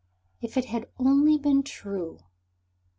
If it had only been true!"